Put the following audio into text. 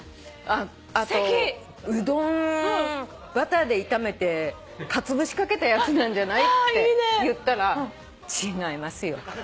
「あとうどんバターで炒めてかつぶし掛けたやつなんじゃない？」って言ったら「違いますよ」